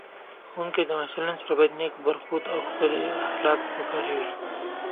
ښوونکی د محصلینو سره باید نېک برخورد او ښکلي اخلاق وکاروي